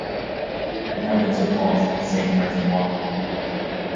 Inhabitants are called "Saint-Martinois".